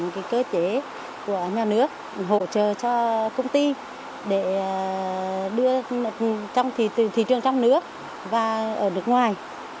tổ chức kinh tế của nhà nước hỗ trợ cho công ty để đưa thị trường trong nước và ở nước ngoài